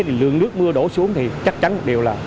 thì lượng nước mưa đổ xuống thì chắc chắn đều là